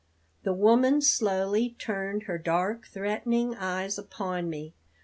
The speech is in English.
The woman slowly turned her dark, threatening eyes upon me.